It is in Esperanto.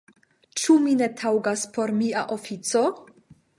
Ĉu mi ne taŭgas por mia ofico?